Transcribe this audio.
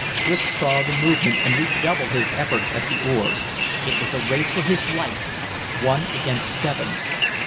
Clif saw the movement, and redoubled his efforts at the oars. It was a race for his life one against seven!